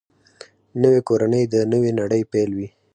نوې کورنۍ د نوې نړۍ پیل وي